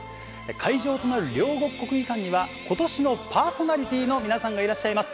会場となる両国・国技館には、ことしのパーソナリティーの皆さんがいらっしゃいます。